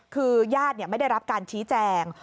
คือญาติไม่ได้รับการชี้แจง